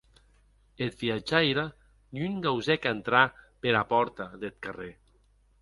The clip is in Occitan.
Eth viatjaire non gausèc entrar pera pòrta deth carrèr.